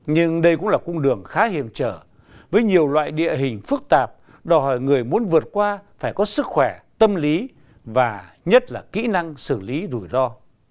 nhưng đây cũng là cung đường khá hiểm trở với nhiều loại địa hình phức tạp đòi hỏi người muốn vượt qua phải có sức khỏe tâm lý và nhất là kỹ năng xử lý rủi ro